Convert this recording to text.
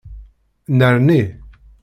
Nnerni.